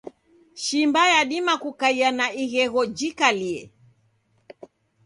Shimba yadima kukaia na ighegho jikalie.